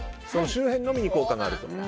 周辺のみに効果があると。